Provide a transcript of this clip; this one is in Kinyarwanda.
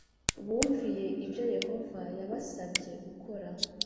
bumviye ibyo Yehova yabasabye gukora